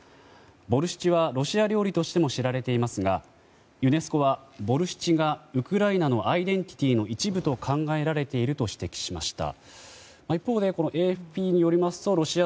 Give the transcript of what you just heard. ボルシチはロシア料理としても知られていますがユネスコはボルシチがウクライナのアイデンティティーの一部と考えられていると指摘しました。